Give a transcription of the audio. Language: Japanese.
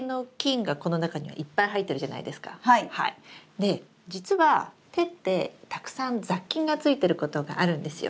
で実は手ってたくさん雑菌がついてることがあるんですよ。